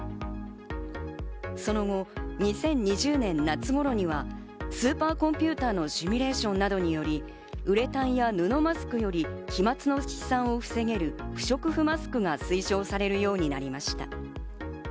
その後、２０２０年、夏頃にはスーパーコンピューターのシミュレーションなどによりウレタンや布マスクより、飛沫の飛散を防げる不織布マスクが推奨されるようになりました。